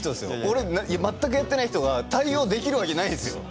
俺全くやってない人が対応できるわけないんですよ。